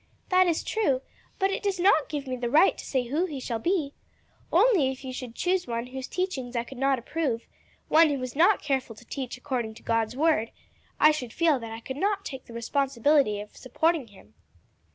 "That is true; but it does not give me the right to say who he shall be. Only if you should choose one whose teachings I could not approve one who was not careful to teach according to God's word I should feel that I could not take the responsibility of supporting him."